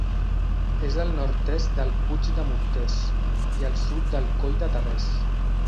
És al nord-est del Puig de Morters, i al sud del Coll de Terrers.